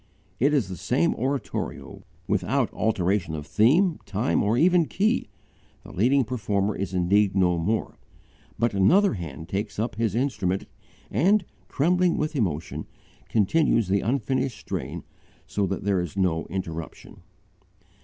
It is the same oratorio, without alteration of theme, time, or even key: the leading performer is indeed no more, but another hand takes up his instrument and, trembling with emotion, continues the unfinished strain so that there is no interruption.